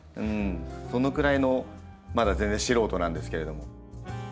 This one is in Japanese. そのくらいのまだ全然素人なんですけれども。